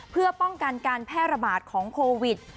เพื่อป้องกันการแพร่ระบาดของโควิด